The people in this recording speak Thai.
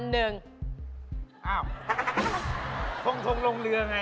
ทงลงเรือไง